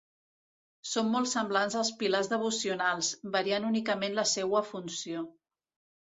Són molt semblants als pilars devocionals, variant únicament la seua funció.